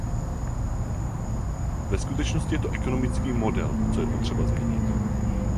Ve skutečnosti je to ekonomický model, co je třeba změnit.